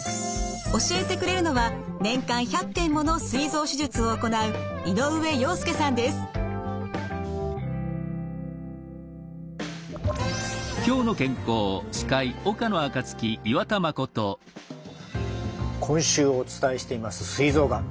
教えてくれるのは年間１００件ものすい臓手術を行う今週お伝えしていますすい臓がん